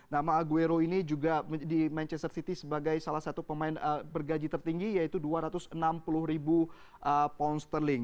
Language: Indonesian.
nama aguero ini juga di manchester city sebagai salah satu pemain bergaji tertinggi yaitu dua ratus enam puluh ribu pound sterling